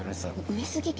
上杉家